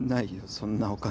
そんなお金。